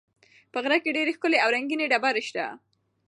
په غره کې ډېرې ښکلې او رنګینې ډبرې شته.